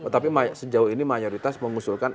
tapi sejauh ini mayoritas mengusulkan